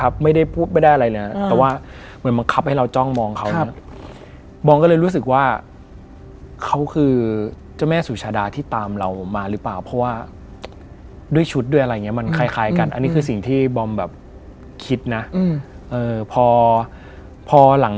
บ้านตัวอย่าง